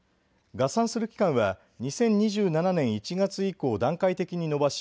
合算する期間は２０２７年１月以降、段階的に延ばし